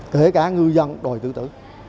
kể cả ngư dân đòi tự tử